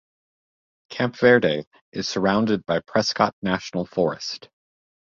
Camp Verde is surrounded by Prescott National Forest.